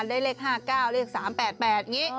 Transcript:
เลข๕๙เลข๓๘๘อย่างนี้